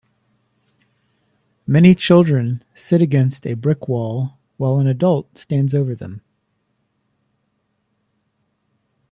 Many children sit against a brick wall while an adult stands over them.